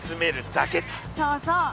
そうそう。